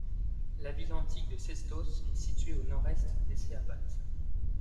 La ville antique de Sestos est située à au nord-est d'Eceabat.